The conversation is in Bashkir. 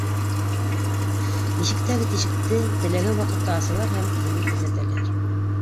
Ишектәге тишекте теләгән ваҡытта асалар һәм һине күҙәтәләр.